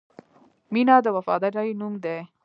• مینه د وفادارۍ نوم دی.